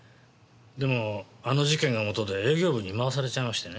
でもあの事件がもとで営業部に回されちゃいましてね。